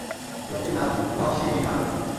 লোকটির নাম ওয়াহশী বিন হারব।